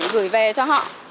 gửi về cho họ